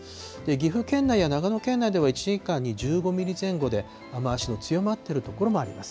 岐阜県内や長野県内では、１時間に１５ミリ前後で、雨足の強まっている所もあります。